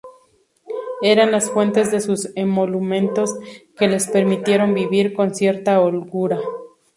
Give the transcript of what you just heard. Eran las fuentes de sus emolumentos, que le permitieron vivir con cierta holgura.